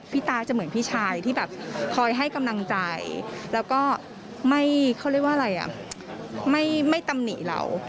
ตาจะเหมือนพี่ชายที่แบบคอยให้กำลังใจแล้วก็ไม่เขาเรียกว่าอะไรอ่ะไม่ตำหนิเรา